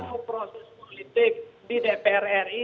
rakyat tahu proses politik di dpr ri